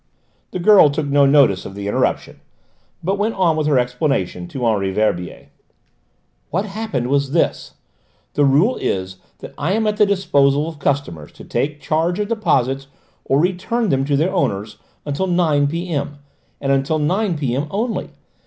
The girl took no notice of the interruption, but went on with her explanation to Henri Verbier. "What happened was this: the rule is that I am at the disposal of customers, to take charge of deposits or to return them to the owners, until nine P.M., and until nine P.M. only.